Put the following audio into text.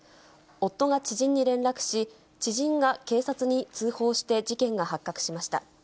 夫が知人に連絡し、知人が警察に通報して事件が発覚しました。